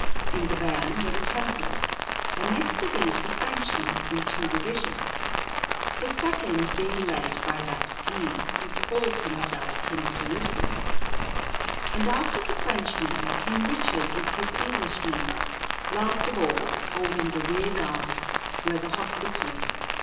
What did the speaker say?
In the van were the Templars, and next to these the Frenchmen in two divisions, the second being led by that Guy who called himself King of Jerusalem, and after the Frenchmen King Richard with his Englishmen; last of all, holding the rear guard, were the Hospitallers.